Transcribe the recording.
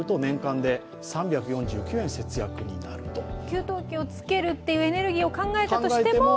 給湯器をつけるというエネルギーを考えたとしても？